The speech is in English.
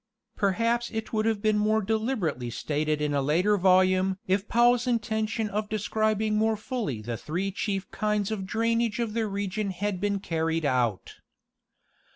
Perhaps it would have been more deliberately stated in a later volume if Powell's intention of describing more fully the three chief kinds of drainage of the re gion had been carried out.